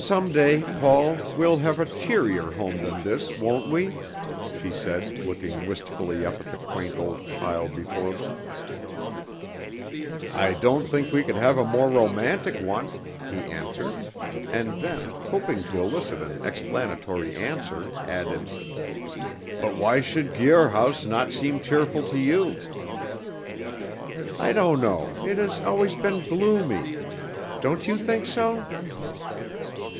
"Some day, Paul, we'll have a cheerier home than this; won't we?" she said, looking wistfully up at the quaint old pile before them. "I don't think we could have a more romantic one," he answered; and then, hoping to elicit an explanatory answer, added, "but why should Guir House not seem cheerful to you?" "I don't know; it has always been gloomy; don't you think so?"